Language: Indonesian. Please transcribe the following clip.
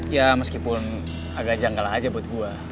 ya meskipun agak janggal aja buat gue